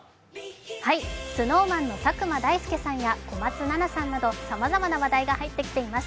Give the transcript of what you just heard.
ＳｎｏｗＭａｎの佐久間大介さんや小松菜奈さんなどさまざまな話題が入ってきています。